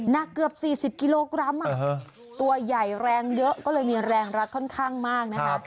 หนักเกือบ๔๐กิโลกรัมตัวใหญ่แรงเยอะก็เลยมีแรงรัดค่อนข้างมากนะคะ